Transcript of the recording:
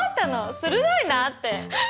鋭いなって。